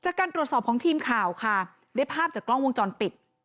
จากการตรวจสอบของทีมข่าวค่ะได้ภาพจากกล้องวงจรปิด